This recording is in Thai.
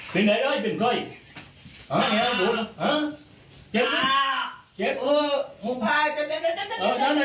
ไปล่ะอีกออกไป